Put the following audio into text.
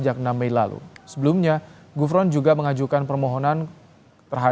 di sini disebut karena alasan mendesak